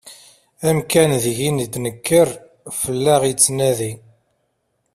Amkan deg i d-nekker, fell-aɣ yettnadi.